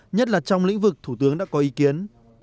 nhất là trong lĩnh vực thủ tướng đã có ý kiến